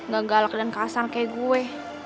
gak galak dan kasar kayak gue